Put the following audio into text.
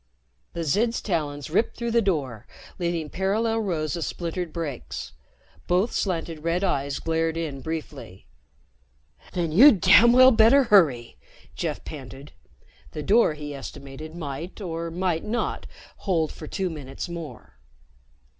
The Zid's talons ripped through the door, leaving parallel rows of splintered breaks. Both slanted red eyes glared in briefly. "Then you'd damn well better hurry," Jeff panted. The door, he estimated, might or might not hold for two minutes more.